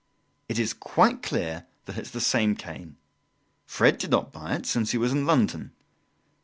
It is quite clear that it's the same cane. Fred did not buy it, since he was in London.